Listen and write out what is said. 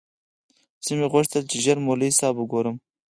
زړه مې غوښتل چې ژر مولوي صاحب وگورم.